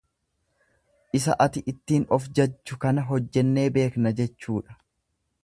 Isa ati ittiin of jajju kana hojjennee beekna jechuudha.